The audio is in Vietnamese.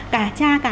cả cha cả mẹ